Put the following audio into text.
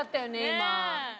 今。